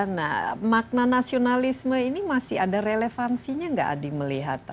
nah makna nasionalisme ini masih ada relevansinya nggak adi melihat